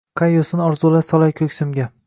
Qay yo‘sin orzular solay ko‘ksimga?!